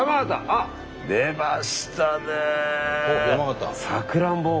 あっ出ましたね！